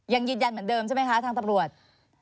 ยังยืนยันเหมือนเดิมใช่ไหมคะทางตำรวจ